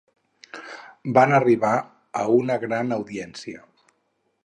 Van arribar a una gran audiència.